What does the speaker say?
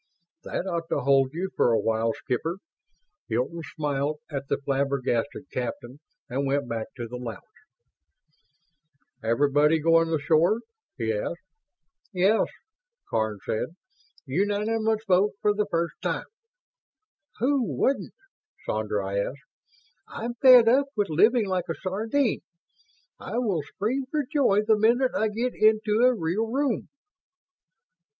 "That ought to hold you for a while, Skipper." Hilton smiled at the flabbergasted captain and went back to the lounge. "Everybody going ashore?" he asked. "Yes." Karns said. "Unanimous vote for the first time." "Who wouldn't?" Sandra asked. "I'm fed up with living like a sardine. I will scream for joy the minute I get into a real room."